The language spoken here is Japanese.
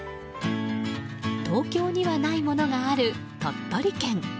東京にはないものがある鳥取県。